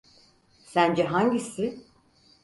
Sence hangisi?